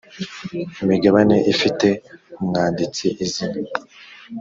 imigabane ifite umwanditsi izina